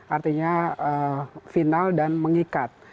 artinya final dan mengikat